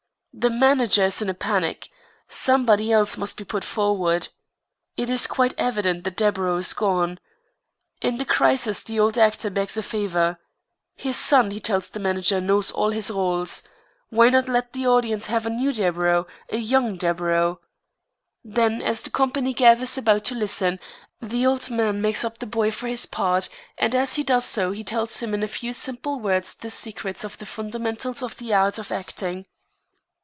The manager is in a panic. Somebody else must be put forward. It is quite evident that Deburau is done. In the crisis the old actor begs a favor. His son, he tells the manager, knows all his rôles. Why not let the audience have a new Deburau, a young Deburau? Then, as the company gathers about to listen, the old man makes up the boy for his part, and as he does so he tells him in a few simple words the secrets and the fundamentals of the art of acting.